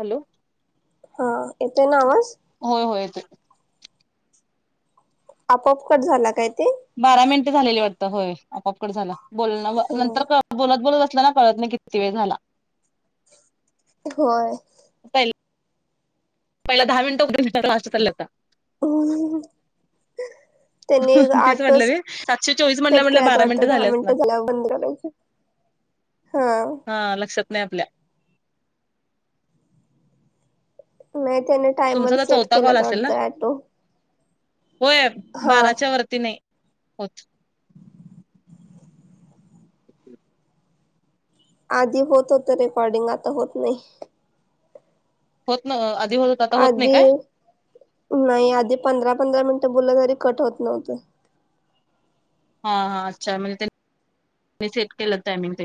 Hello? हा, येतोय ना आवाज? होय, होय, येतोय. आपोआप कट झाला काय ते? बारा मिनिटे झालेली वाटतं होय, आपोआप कट झाला बोलण्यावर, हम्म. नंतर कळ- बोलत, बोलत असल ना, कळत नाही किती वेळ झाला? होय. [unintelligible] [inaudible] त्यांनी तेच आटो म्हटलं मी सातशे चोवीस म्हटलं सेट म्हटलं केल्यात बारा वाटत, दहा झाले असणार मिनिटं झाल्यावर बंद करायच. [inaudible] हा, लक्षात नाही आपल्या- [unintelligible] तुमचा तर सेट चौथा कॉल केल्यात असेल ना? वाटतं ऑटो होय, हा. बाराच्या वरती नाही. [unintelligible] आधी होत होत रेकॉर्डिंग आता होत नाही. होत ना, आधी हो- आधी नाही, आधी पंधरा, पंधरा मिनटं बोललं तरी कट होत नव्हतं. हा, हा, अच्छा म्हणजे मी सेट केलं टामिंग ते.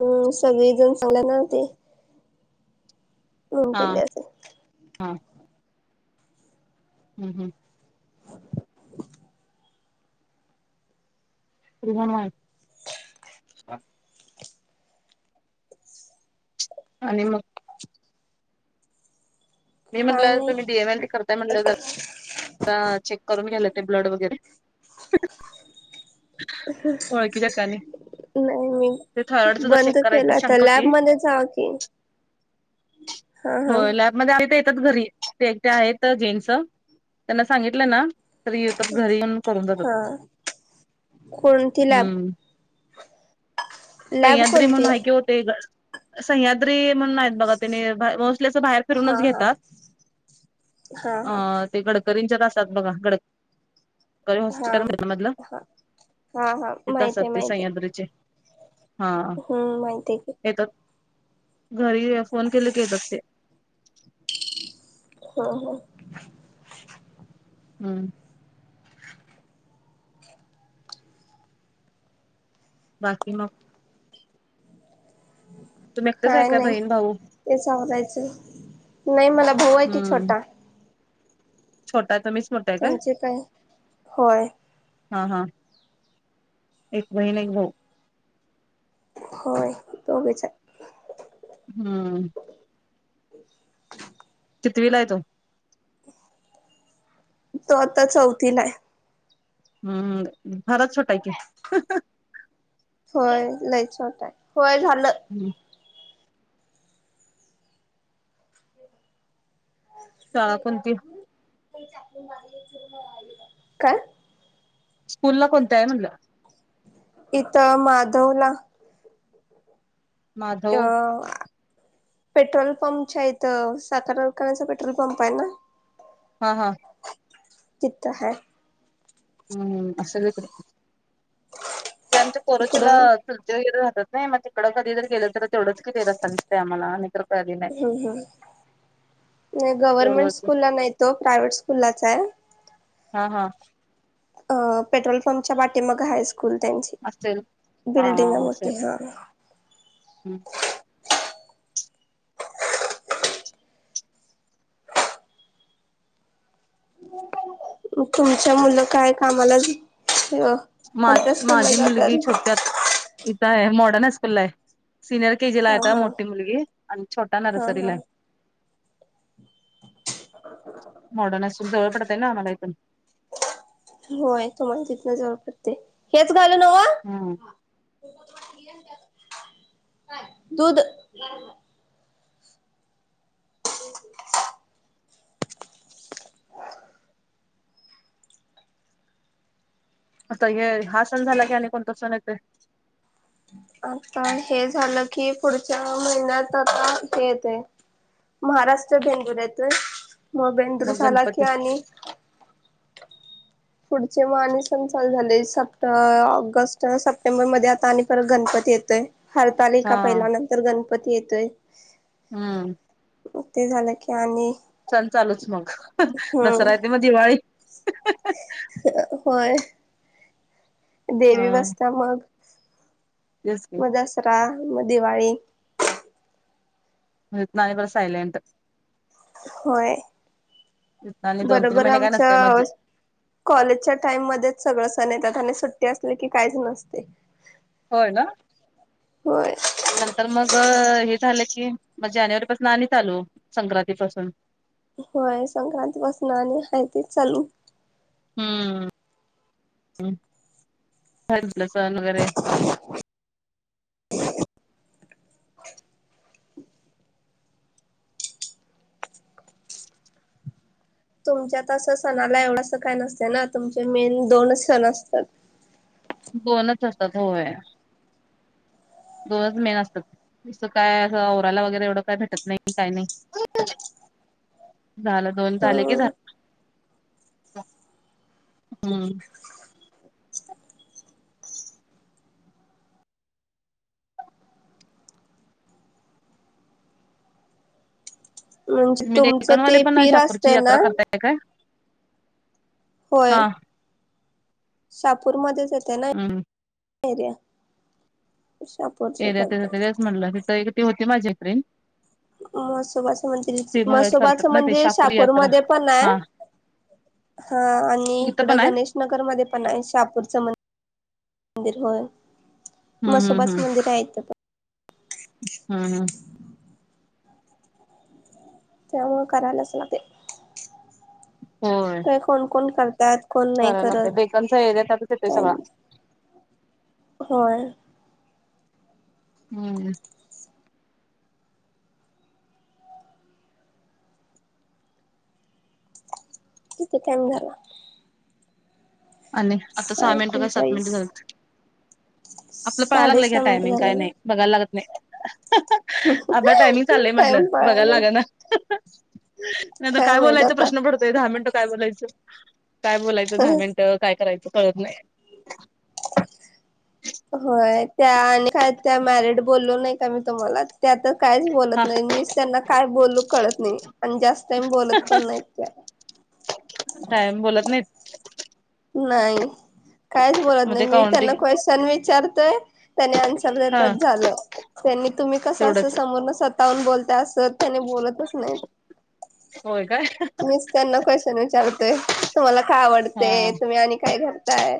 हम्म, सगळेजण सांगत नव्हते, म्हणून हा केले असेल. हा हं, हं. तुगण [unintelligible] आणि मग- मी काय म्हटलं, तुम्ही नाही डी [unintelligible] करताय म्हटलेल. [unintelligible] चेक करून घ्यायला येतय ब्लड वगैरे. ओळखीच्या ठिकाणी [inaudible] नाही मी ते थायरॉइड सुद्धा चेक बंद करायचं केलं, तर शंका होती. लॅबमध्ये जावा की. हा. हो, हा लॅबमध्ये आहे ते येतात घरी, ते एकटे आहेत जेंट्स. त्यांना सांगितलं ना- तरी येतात घरी येऊन करून जातात. हा. कोणती लॅब हम्म. लॅब सह्याद्री कोणती म्हणून आहे की ओ ते, सह्याद्री म्हणून आहे - त, बघा त्येनी मोस्टली असं बाहेर हा फिरूनच हा घेतात. हा हा अ.. ते गडकरींच्यात असतात बघा गड [unintelligible] हा हॉस्पिटल मधलं हा हा हा तित माहित असतात आहे ते माहित आहे सह्याद्रिचे हा हम्म माहित आहे की येतात घरी फोन केले की येतात ते ह, ह हम्म बाकी मग तुम्ही एकटेच आहे काय नाही बहीण भाऊ तेच आवरायचं नाही मला भाऊ आहे की हम्म छोटा छोटा तो मीच त्यांची काय होय हा, हा एक बहीण एक भऊ होय दोघेच आहे हम्म कितवी ला आहे तो तो आता चौथीला आहे हम्म फारच छोटाय की होय लय छोटाय होय झालं [unintelligible] शाळा कोणती? काय स्कूल ला कोणत्या आहे म्हणलं इथ माधवला अ माधव पेट्रोल पंपच्या इथं साखर कारखान्याचा पेट्रोल पंप आहे ना हा, हा तिथं हाय हम्म असल इथं ते आमचे इकडं कोरोचीला हम्म चुलते वगैरे राहतात नाही मग तिकडं कधी गेलं तरच तेवढंच क ते रस्ता दिसतय आम्हाला नाहीतर काय बी नाही हम हं नाही एवढं गव्हर्नमेंट वरचं स्कूल ला नाही तो प्रायव्हेट स्कूललाच आहे हा, हा आ पेट्रोल पंपच्या वाटे मग हायस्कू स्कूल त्यांची असेल हा बिल्डिंग असेल. मोठी हा [unintelligible] तुमचे मुलं काय कामाला कोणत्या स्कूलला जात्यात इथ आहे मॉडर्न हायस्कूलला आहे सीनियर के जी ला हा आत्ता हा मोठी मुलगी आणि छोटा हा नर्सरी हा ला आहे मॉडर्न हायस्कूल जवळ पडत आहे ना आम्हाला इथ होय, होय तिथंन जवळ पडते हेच घाल नाओ हम्म दुध [unintelligible] आता हे हा सण झाला की आणि कोणता सण येतय आता हे झालं की पुढच्या महिन्यात आता हे येतय महाराष्ट्र बेंदूर येतय मग बेंदूर झाला की आणि पुढचे मग आणि सण चालू झाले सप्ट ऑगस्ट, सप्टेंबर मध्ये आता आणि परत गणपती येतोय हा हरतालीका पहिला नंतर गणपती येतोय. हम्म. मग ते झालं की आणि सण चालूच मग, दसरा येते मग दिवाळी. अ होय. हा देवी बसत्या मग. तेच की. मग दसरा मग दिवाळी. म तिथनं आणि परत सायलेंट. होय, इथन आणि दोन तीन बरोबर महिने काय नसते आमचं मजी कॉलेजच्या टाइम मध्येच सगळं सण येतात आणि सुट्टी असली की काहीच नसतंय. होय ना. होय आणि नंतर मग अ हे झालं की, मग जानेवारी पाासून आणि चालू संक्रांतीपसून. होय, संक्रांतीपासनं आणि हाय तिच चालू. हम्म, [unintelligible] सण वगैरे. [inaudible] तुमच्यात असं सणाला एवढंस काय नसतं ना, तुमचे मेन दोनच सण असतात. दोनच असतात होय, दोनच मेन असतात. सकाळी असं आवरायला वगैरे एवढं काय भेटत नाही काय नाही. झालं दोन झाले की हम्म झा--हम्म. म्हणजे म तुमचं डेक्कनवाले ते पण [unintelligible] पीर शापूरची असतं ना यात्रा करताय काय? होय हा. शापूर मध्येच येते ना हम्म एरिया, शापूर. एरिया तिथं तेच म्हटलं, तिथ एक ती होती माझी ऐक फ्रेंड. म्हसोबाचं मंदिर करतात म्हसोबाचं ना ते मंदिर शाकुरी यात्रा शापूरमध्ये पण आहे. हा हा आणि इथं इकडं पण आहे गणेश नगर मध्ये पण आहे, शापूरचं मंदिर होय. हम्म हम्म म्हसोबाचं हम्म मंदिर आहे इथं. पण हम्म हम्म. त्यामुळं करायलाच लागते. होय काय कोण कोण करतात कोण नाही करायला लागतंय, करत डेकनचा एरिया त्यातच येतोय त्यां सगळा. होय. हम्म. ठीक हाय टायम झाला. आणि आता सहा मिनटं का सात मिनटं झालीत. आपलं कळायला लागलंय का साडेसहा मिनिट टायमिंग काय झालेले नाही, बघायला लागत नाही. आता टायमिंग चाललंय म्हटलं, टाइम बघायला पळाला लागना. नाहीतर काय माहित बोलायचं आता. प्रश्न पड तंय दहा मिनिटं काय बोलायचं? काय बोलायचं दहा मिनिटं, काय करायचं कळत नाही? होय, त्या आणि काय त्या मॅरिड बोललो नाही का मी तुम्हाला त्या तर काहीच बोलत हा नाही, मीच त्यांना काय बोलू कळत नाही? आणि जास्त टाईम बोलत पण नाहीत त्या. टायम बोलत नाहीत. नाही, काहीच बोलत मग नाही, ते मी त्यांना काउंटिंग क्वेशचन विचारते त्यानी आ सर हा देत्यात झालं, त्यांनी तुम्ही कसं असं तेवढंच समोरनं स्वतःहून बोलताय अस‌ सर त्या नीट बोलतच नाहीत. होय काय. मीच त्यांना क्वेश्चन विचारतोय तुम्हाला काय हा आवडते? तुम्ही आणि काय करताय?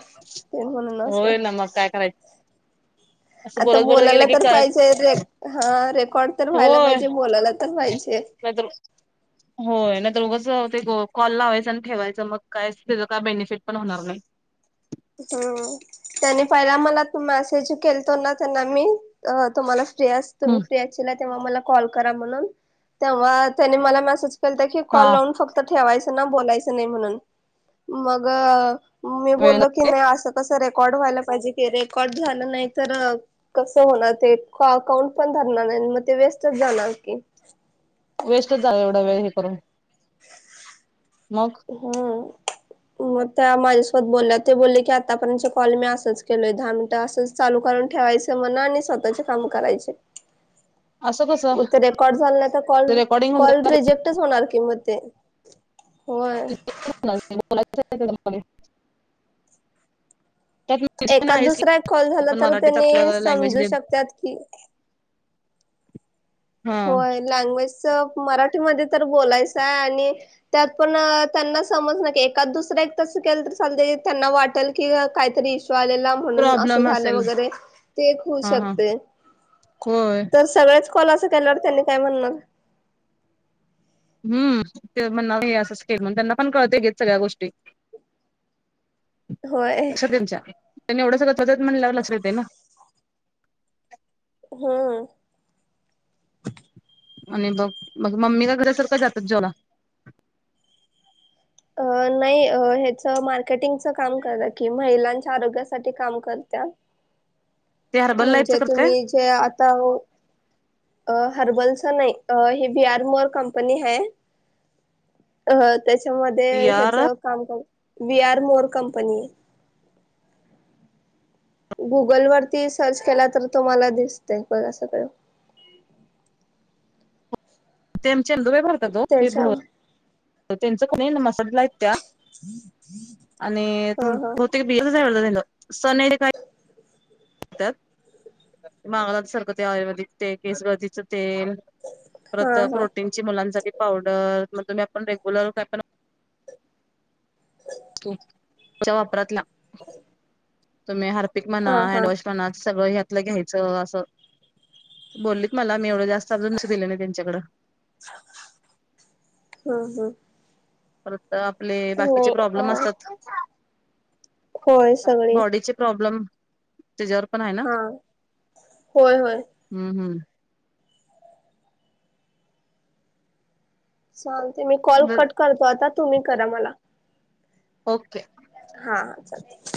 ते म्हणून अस. होय ना मग काय करायचं? असं आता बोलत बोलत गेलं बोलायला की तर कळत पाहिजे हा रेकॉर्ड तर व्हायला पाहिजे बोलायला तर पाहिजे. नाही तर होय नाही तर उगाच ते कॉल लावायचं आणि ठेवायचं मग काय त्याचं काय बेनिफिट पण होणार नाही. हम्म त्यानी पहिला मला त मेसेज केलतो ना त्यांना मी तुम्हाला तेच तुम्ही हम्म फ्री असल्यावर मला कॉल करा म्हणून तेव्हा त्यांनी मला त्याचा कॉल हा लावून फक्त ठेवायचं ना बोलायचं नाही म्हणून मग मी वेळ बोलले की नाही असं कसं रेकॉर्ड व्हायला पाहिजे की रेकॉर्ड झालं नाही तर कसं होणार ते अकाउंट पण धरणार नाही मग ते वेस्टच जाणार की वेस्टच झाला एवढा वेळ हे करून. ह [unintelligible] मग? हम्म. मग त्या माझ्यासोबत बोलल्या ते बोलले की आतापर्यंत कॉल मी असंच केलोय दहा मिनिटं असंच चालू करून ठेवायचे म्हण आणि स्वतःचे काम करायचे. असं कसं मग ते रेकॉर्ड झाल नाही तर कॉल, रेकॉर्डिंग कॉल रिजेक्टच होणार कि मग ते होय. यच त्या [unintelligible] एकात दुसऱ्या कॉल झाला तर त्यांनी आपल्या लँग्वेज समजू शकतात की हा होय. लँग्वेजच मराठीमध्ये तर बोलायचं आहे आणि त्यात पण त्यांना समज न एकाद दुसऱ्या तस केलं तर चाल त्यांना वाटेल काहीतरी इशु आलेला म्हणून असं प्रॉब्लेम झालेल असेल वगैरे ते एक होऊ हा हा शकते. होय सगळेच कॉल असं केल्यावर त्यांनी काय म्हणणार हम्म, ते म्हणणार नाही हे असंच केल त्यांना पण कळते की ह्या सगळ्या गोष्टी. होय लक्ष त्यांच्या त्यांनी एवढं सगळं त्वचत [inaudible] म्हणल्यावर लक्षात येते ना. हम्म. आणि बघ मग मम्मी का घरासारखं का जातात जेवाला? अ नाही ह्याच मार्केटिंगच काम कि महिलांच्या आरोग्यासाठी काम करत्यात. ते हर्बल लाईफच म्हणजे करत काय तुम्ही जे आता अ हर्बलचं नाही हे बी, आर, मोर, कंपनी है अ त्याच्यामध्ये ते यार ह्याच काम बी, आर, मोर, कंपनी आहे. गुगल वरती सर्च केला तर तुम्हाला दिसतेय बघा सगळ. ते आमचे दुभे भरतात तो ते त्याच्या त्यांच को मसाजला आहेत त्या [unintelligible] आणि हा हा होते क बि सन काय [unintelligible] मागला सारखं ते आयुर्वेदिक तेल, केस गर्दीच तेल हा परत हा प्रोटीनची मुलांसाठी पावडर मग तुम्ही आपण रेग्युलर काय पण च्या वापरातला तुम्ही हारपिक म्हणा, हा हा हडवॉश, पण आज सगळं ह्यातलं घ्यायचं असं. बोललीत मला मी एवढं जास्त लक्ष अजून दिले नाही त्यांच्याकडं. हम्म, हम्म. परत आपले बाकीचे प्रॉब्लेम नाही असतात. होय सगळी बॉडीचे, प्रॉब्लेम त्याझ्यावर पण आहे ना, हा होय होय हम्म हम्म. चालते मी कॉल बर कट करतो, आता तुम्ही करा मला. ओके! हा हा चालते.